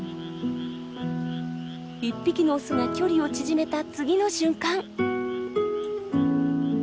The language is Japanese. １匹のオスが距離を縮めた次の瞬間。